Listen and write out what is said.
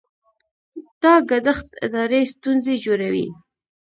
دا ګډښت اداري ستونزې جوړوي.